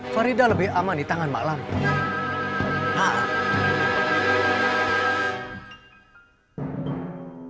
farida lebih aman di tangan mak lampir